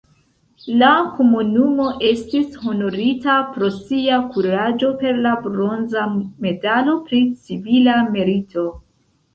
La komunumo estis honorita pro sia kuraĝo per la bronza medalo pri civila merito.